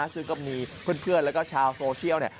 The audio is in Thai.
ซึ่งก็มีเพื่อนแล้วก็ชาวโซเชียล